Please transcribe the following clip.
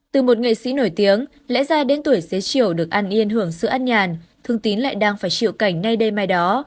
từ một nghệ sĩ nổi tiếng lẽ ra đến tuổi xế chiều được an yên hưởng sự ăn nhàn thương tín lại đang phải chịu cảnh nay đây mai đó